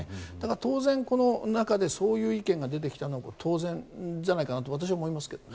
当然、この中でそういう意見が出てきたのは当然じゃないかなと私は思いますけどね。